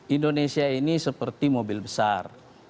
indonesia ini seperti mobil besar